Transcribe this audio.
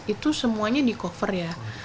itu semuanya di cover ya